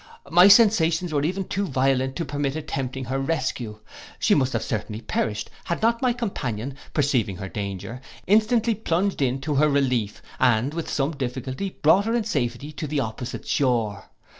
My sensations were even too violent to permit my attempting her rescue: she must have certainly perished had not my companion, perceiving her danger, instantly plunged in to her relief, and with some difficulty, brought her in safety to the opposite shore.